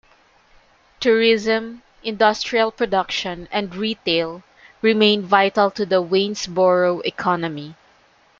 Tourism, industrial production, and retail remain vital to the Waynesboro economy.